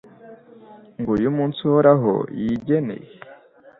Nguyu umunsi Uhoraho yigeneye